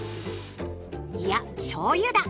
いやしょうゆだ！